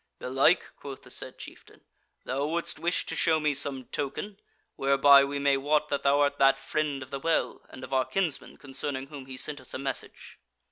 "Belike," quoth the said chieftain, "thou wouldst wish to show me some token, whereby we may wot that thou art that Friend of the Well and of our kinsman concerning whom he sent us a message."